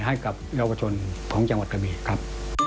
ให้กับเยาวชนของจังหวัดกระบีครับ